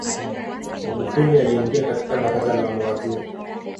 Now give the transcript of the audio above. magufuli aliingia katika baraza la mawaziri